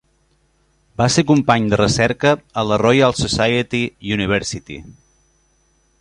Va ser company de recerca a la Royal Society University.